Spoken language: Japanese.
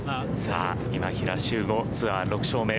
今平周吾、ツアー６勝目。